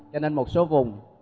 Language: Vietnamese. cho nên một số vùng